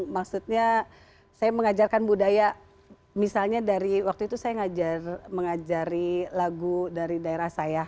maksudnya saya mengajarkan budaya misalnya dari waktu itu saya mengajari lagu dari daerah saya